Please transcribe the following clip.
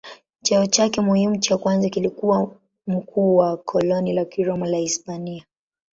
Cheo chake muhimu cha kwanza kilikuwa mkuu wa koloni la Kiroma la Hispania.